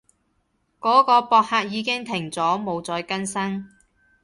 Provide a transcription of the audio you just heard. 嗰個博客已經停咗，冇再更新